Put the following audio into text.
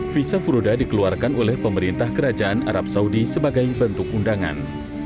visa furoda dikeluarkan oleh pemerintah kerajaan arab saudi sebagai bentuk undangan